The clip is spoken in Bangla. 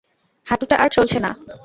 হাঁটুটা আর চলছে না।